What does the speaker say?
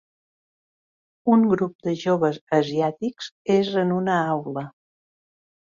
Un grup de joves asiàtics és en una aula.